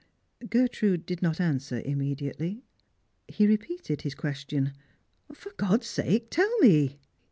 Gertrude did not answer immediately. He repeated his ques tion. " For God's sake tell me